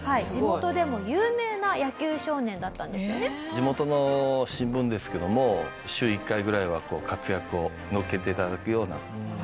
地元の新聞ですけども週１回ぐらいは活躍を載っけて頂くような。